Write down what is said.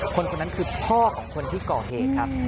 คนคนนั้นคือพ่อของคนที่ก่อเหตุครับ